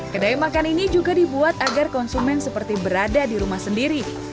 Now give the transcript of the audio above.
kedai makan ini juga dibuat agar konsumen seperti berada di rumah sendiri